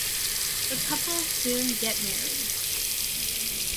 The couple soon get married.